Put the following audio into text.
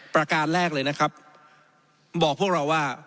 ประการแรกเลยนะครับบอกพวกเราว่า